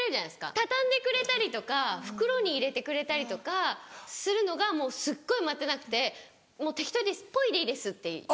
畳んでくれたりとか袋に入れてくれたりとかするのがもうすっごい待てなくて「もう適当でいいですポイでいいです」って言って。